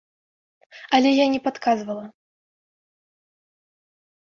Але я не падказвала.